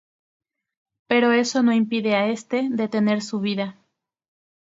Pero eso no impide a este detener su vida.